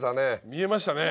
見えましたね。